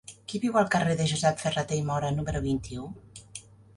Qui viu al carrer de Josep Ferrater i Móra número vint-i-u?